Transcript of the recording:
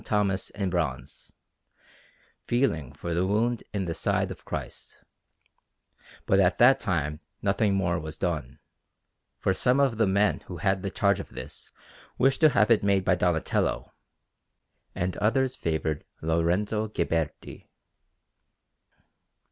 Thomas in bronze, feeling for the wound in the side of Christ; but at that time nothing more was done, for some of the men who had the charge of this wished to have it made by Donatello, and others favoured Lorenzo Ghiberti.